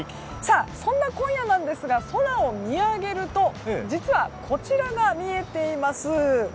そんな今夜ですが空を見上げると実はこちらが見えています。